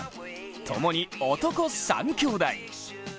共に男３兄弟。